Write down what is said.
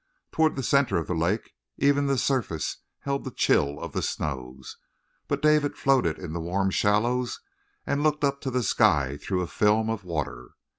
Toward the center of the lake even the surface held the chill of the snows, but David floated in the warm shallows and looked up to the sky through a film of water.